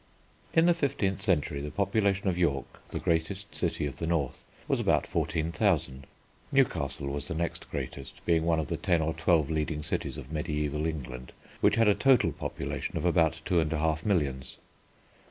In the fifteenth century the population of York, the greatest city of the north, was about 14,000. Newcastle was the next greatest, being one of the ten or twelve leading cities of mediæval England which had a total population of about 2 1/2 millions.